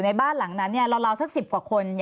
ไม่ค่ะอายุไร่เรียกกันค่ะ